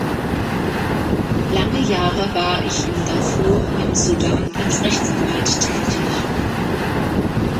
Lange Jahre war ich in Darfur im Sudan als Rechtanwalt tätig.